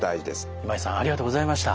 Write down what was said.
今井さんありがとうございました。